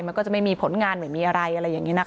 มันก็จะไม่มีผลงานไม่มีอะไรอะไรอย่างนี้นะคะ